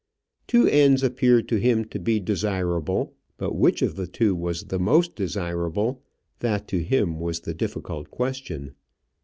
Two ends appeared to him to be desirable. But which of the two was the most desirable that to him was the difficult question.